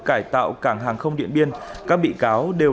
cải tạo cảng hàng không điện biên các bị cáo đều